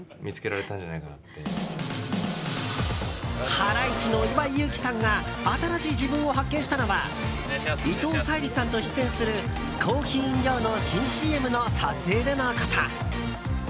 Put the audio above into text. ハライチの岩井勇気さんが新しい自分を発見したのは伊藤沙莉さんと出演するコーヒー飲料の新ＣＭの撮影でのこと。